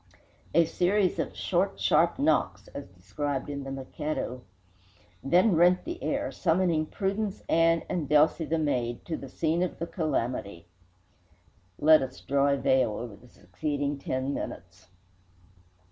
A series of "short, sharp shocks" (as described in "The Mikado") then rent the air, summoning Prudence Ann and Delcy, the maid, to the scene of the calamity. Let us draw a veil over the succeeding ten minutes.